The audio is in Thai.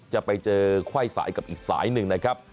จะไปเจอไขว้สายกับอีกสายหนึ่งนะครับ